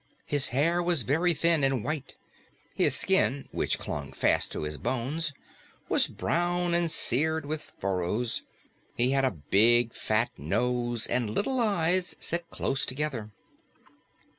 His hair was very thin and white; his skin, which clung fast to his bones, was brown and seared with furrows; he had a big, fat nose and little eyes set close together.